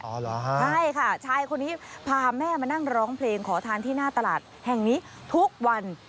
ใช่ค่ะชายคนนี้พาแม่มานั่งร้องเพลงขอทานที่หน้าตลาดแห่งนี้ทุกวัน